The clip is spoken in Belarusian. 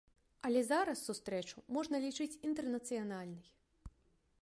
Але зараз сустрэчу можна лічыць інтэрнацыянальнай.